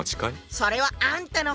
それはあんたの方ね。